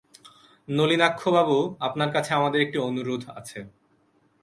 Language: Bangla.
নলিনাক্ষবাবু, আপনার কাছে আমাদের একটি অনুরোধ আছে।